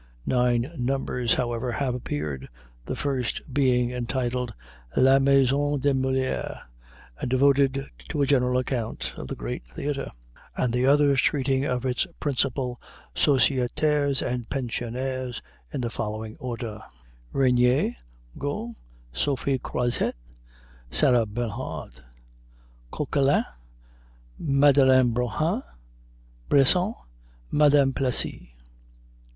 Nine numbers, however, have appeared the first being entitled La Maison de Molière, and devoted to a general account of the great theater; and the others treating of its principal sociétaires and pensionnaires in the following order: Regnier, Got, Sophie Croizette, Sarah Bernhardt, Coquelin, Madeleine Brohan, Bressant, Madame Plessy.